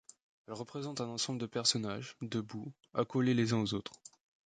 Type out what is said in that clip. Elle représente un ensemble de personnages, debout, accolés les uns aux autres.